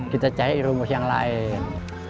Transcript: kita cari rumus yang lain